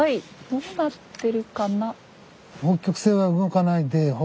どうなってるかな？